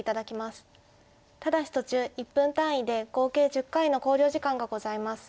ただし途中１分単位で合計１０回の考慮時間がございます。